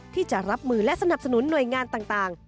ที่จะรับมือและสนับสนุนหน่วยงานต่าง